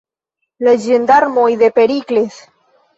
La ĝendarmoj de Perikles!